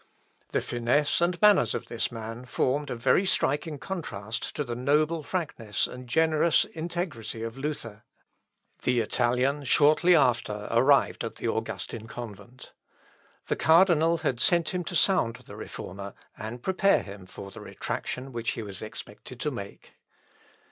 The finesse and manners of this man formed a very striking contrast to the noble frankness and generous integrity of Luther. The Italian shortly after arrived at the Augustin convent. The cardinal had sent him to sound the Reformer, and prepare him for the retractation which he was expected to make.